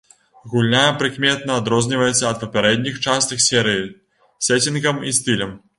Гульня прыкметна адрозніваецца ад папярэдніх частак серыі сэцінгам і стылем.